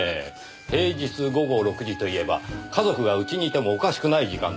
平日午後６時といえば家族がうちにいてもおかしくない時間です。